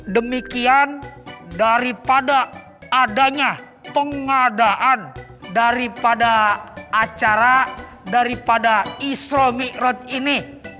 demikian daripada adanya pengadaan daripada acara daripada isro mikrot ini